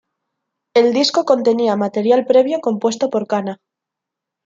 El disco contenía material previo compuesto por Kana.